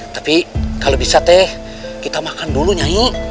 tapi kalau bisa teh kita makan dulu nyanyi